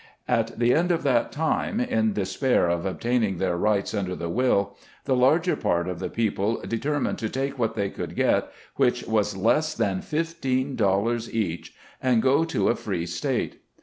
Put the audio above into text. At the end of that time, in despair of obtaining their rights under the will, the larger part of the people determined to take what they could get, which was less than fifteen dollars each, and go to a free state.